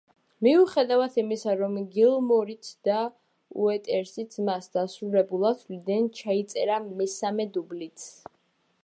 მიუხედავად იმისა, რომ გილმორიც და უოტერსიც მას დასრულებულად თვლიდნენ, ჩაიწერა მესამე დუბლიც.